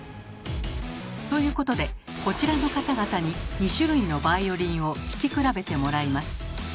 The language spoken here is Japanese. ということでこちらの方々に２種類のバイオリンを聴き比べてもらいます。